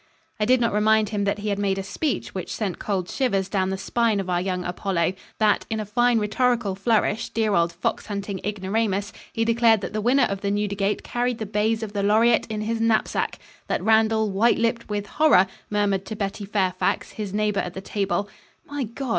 I did not remind him that he had made a speech which sent cold shivers down the spine of our young Apollo; that, in a fine rhetorical flourish dear old fox hunting ignoramus he declared that the winner of the Newdigate carried the bays of the Laureate in his knapsack; that Randall, white lipped with horror, murmured to Betty Fairfax, his neighbour at the table: "My God!